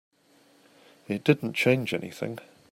It didn't change anything.